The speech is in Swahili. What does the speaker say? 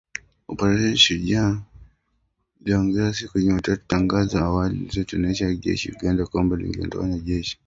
Operesheni Shujaa iliongezwa siku ya Jumatano licha ya tangazo la awali lililotolewa na jeshi la Uganda kwamba lingeondoa wanajeshi .